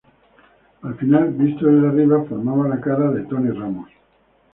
Al final, visto desde arriba, formada la cara de Tony Ramos.